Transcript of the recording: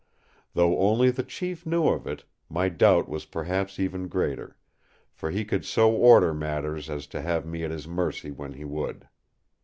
Though only the chief knew of it, my doubt was perhaps even greater; for he could so order matters as to have me at his mercy when he would.